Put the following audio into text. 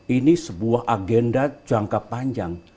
ini sebuah agenda jangka panjang